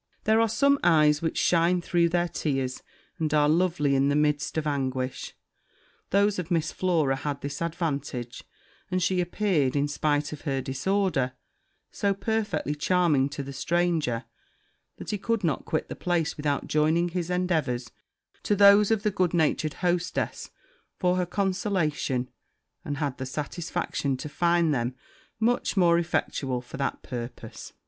There are some eyes which shine through their tears, and are lovely in the midst of anguish; those of Miss Flora had this advantage, and she appeared, in spite of her disorder, so perfectly charming to the stranger, that he could not quit the place without joining his endeavours to those of the good natured hostess, for her consolation, and had the satisfaction to find them much more effectual for that purpose.